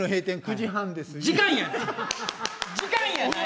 時間やない。